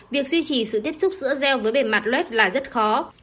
việc duy trì sự tiếp xúc giữa gel với bề mặt loát là rất khó